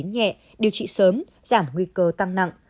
nhẹ điều trị sớm giảm nguy cơ tăng nặng